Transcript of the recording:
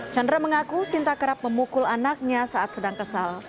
chandra mengaku sinta kerap memukul anaknya saat sedang kesal